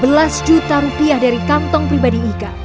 sebelas juta rupiah dari kantong pribadi ika